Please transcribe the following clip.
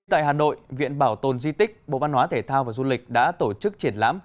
tại hà nội viện bảo tồn di tích bộ văn hóa thể thao và du lịch đã tổ chức triển lãm